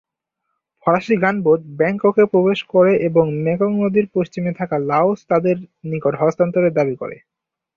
ফরাসি গানবোট ব্যাংককে প্রবেশ করে এবং মেকং নদীর পশ্চিমে থাকা লাওস তাদের নিকট হস্তান্তরের দাবী করে।